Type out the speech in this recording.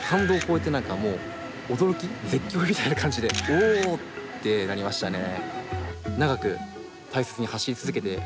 おってなりましたね。